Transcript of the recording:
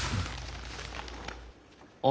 あ。